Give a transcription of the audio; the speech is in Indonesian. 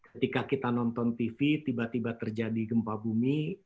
ketika kita nonton tv tiba tiba terjadi gempa bumi